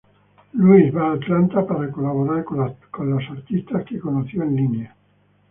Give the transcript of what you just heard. Louis a Atlanta para colaborar con los artistas que conoció en línea.